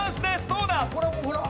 どうだ？